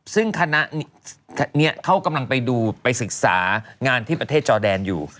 ซึ่งคณะนี้เขากำลังไปดูไปศึกษางานที่ประเทศจอแดนอยู่